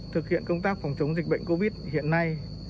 thực hiện công tác phòng chống dịch bệnh covid một mươi chín hiện nay